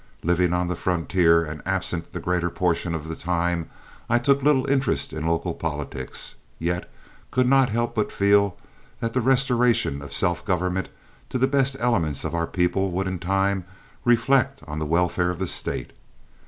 Living on the frontier and absent the greater portion of the time, I took little interest in local politics, yet could not help but feel that the restoration of self government to the best elements of our people would in time reflect on the welfare of the State.